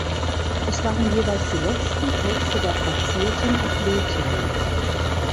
Es waren jeweils die letzten Plätze der platzierten Athletinnen.